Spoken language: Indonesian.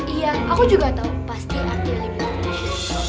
iya aku juga tau pasti artinya limited edition itu